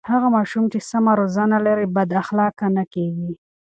هغه ماشوم چې سمه روزنه لري بد اخلاقه نه کېږي.